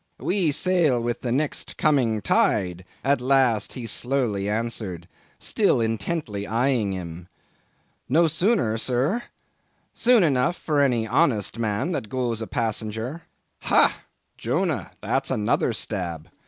'We sail with the next coming tide,' at last he slowly answered, still intently eyeing him. 'No sooner, sir?'—'Soon enough for any honest man that goes a passenger.' Ha! Jonah, that's another stab.